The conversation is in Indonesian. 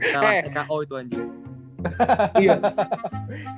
salah eko itu anjing